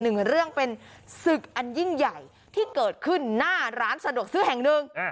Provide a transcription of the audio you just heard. หนึ่งเรื่องเป็นศึกอันยิ่งใหญ่ที่เกิดขึ้นหน้าร้านสะดวกซื้อแห่งหนึ่ง